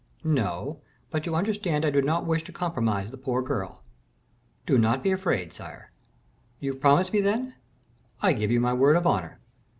"No; but you understand I do not wish to compromise the poor girl." "Do not be afraid, sire." "You promise me, then?" "I give you my word of honor."